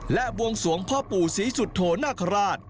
และบวงสวงพ่อปู่ศรีสุโธนาคาราช